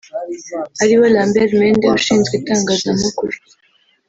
ari bo Lambert Mende ushinzwe itangazamakuru